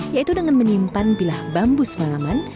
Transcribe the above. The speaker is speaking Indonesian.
yaitu dengan menyimpan bilah bambu semalaman